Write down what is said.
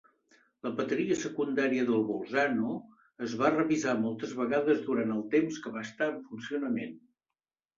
La bateria secundària del "Bolzano" es va revisar moltes vegades durant el temps que va estar en funcionament.